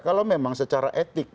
kalau memang secara etik